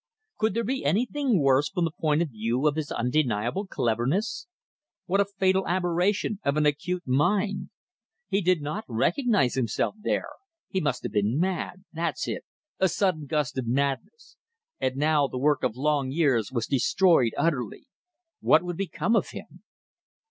Could there be anything worse from the point of view of his undeniable cleverness? What a fatal aberration of an acute mind! He did not recognize himself there. He must have been mad. That's it. A sudden gust of madness. And now the work of long years was destroyed utterly. What would become of him?